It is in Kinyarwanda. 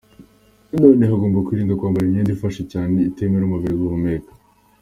Nanone hagomba kwirindwa kwambara imyenda ifashe cyane itemerera umubiri guhumeka.